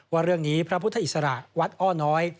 ว่าเรื่องนี้พระพุทธอิสระวัดอ้อน้อย